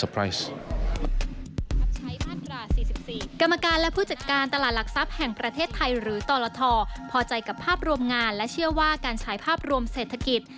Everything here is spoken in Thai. พอใจกับภาพรวมงานและเชื่อว่าการใช้ภาพรวมเศรษฐกิจ